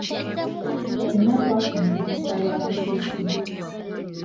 Ffenna twafuna entiisa ya musisi.